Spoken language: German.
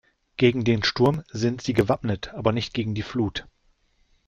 Gegen den Sturm sind sie gewappnet, aber nicht gegen die Flut.